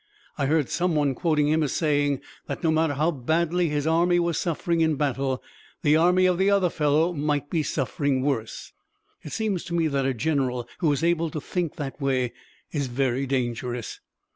I heard some one quoting him as saying that no matter how badly his army was suffering in battle, the army of the other fellow might be suffering worse. It seems to me that a general who is able to think that way is very dangerous."